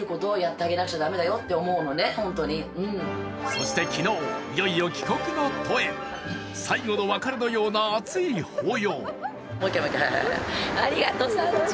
そして昨日、いよいよ帰国の途へ最後の別れのような熱い抱擁。